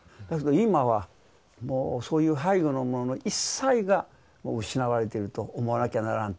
だけど今はそういう背後のもの一切が失われていると思わなきゃならんと。